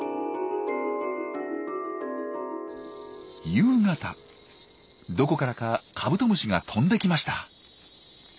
夕方どこからかカブトムシが飛んできました。